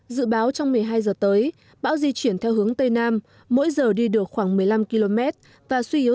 dự báo trong một mươi hai giờ tới bão di chuyển theo hướng tây nam mỗi giờ đi được khoảng một mươi năm km và suy yếu